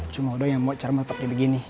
cuma udah yang mau cermet pake begini